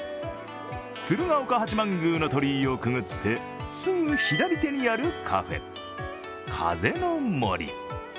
鶴岡八幡宮の鳥居をくぐって、すぐ左手にあるカフェ、風の杜。